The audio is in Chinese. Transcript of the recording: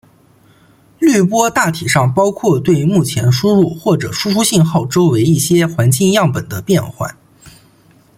滤波大体上包括对于目前输入或者输出信号周围一些环境样本的变换。